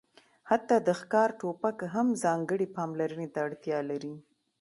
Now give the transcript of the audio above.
حتی د ښکار ټوپک هم ځانګړې پاملرنې ته اړتیا لري